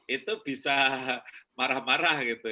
itu bisa marah marah gitu